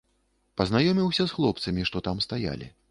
Пазнаёміўся з хлопцамі, што там стаялі.